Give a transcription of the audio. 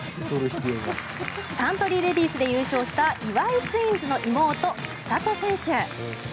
サントリーレディスで優勝した岩井ツインズの妹・千怜選手。